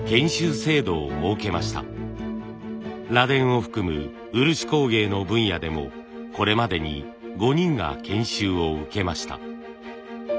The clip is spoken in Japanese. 螺鈿を含む漆工芸の分野でもこれまでに５人が研修を受けました。